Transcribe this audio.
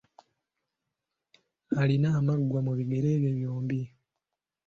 Alina amaggwa mu bigere bye byombi